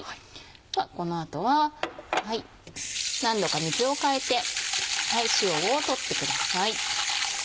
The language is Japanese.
ではこの後は何度か水を替えて塩を取ってください。